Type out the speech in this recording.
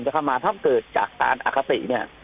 จะเข้ามาถ้าเกิดจากการอคติเนี่ย